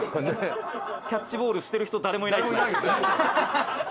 キャッチボールしてる人誰もいないですね。